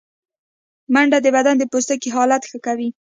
منډه د بدن د پوستکي حالت ښه کوي